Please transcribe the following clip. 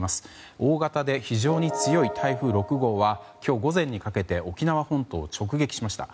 大型で非常に強い台風６号は今日午前にかけて沖縄本島を直撃しました。